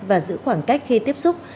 và giữ khoảng cách khi tiếp xúc